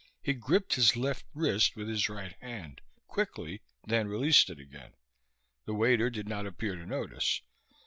He gripped his left wrist with his right hand, quickly, then released it again. The waiter did not appear to notice.